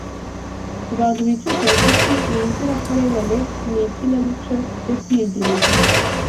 Kubantu bicisha bugufi ninzirakarengane ni ikinamico yo kwiyegereza